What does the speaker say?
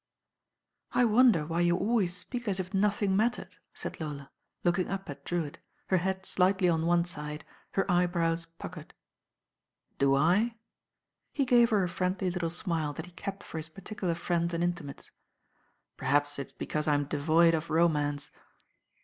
"I wonder why you always speak as if nothing mattered," said Lola, looking up at Drewitt, her head slightly on one side, her eyebrows puckered. "Do I?" He gave her a friendly little smile that he kept for his particular friends and intimates. "Perhaps it's because I'm devoid of romance."